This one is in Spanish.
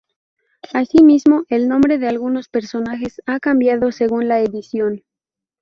Asimismo, el nombre de algunos personajes ha cambiado según la edición.